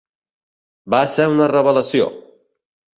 Va ser una revelació!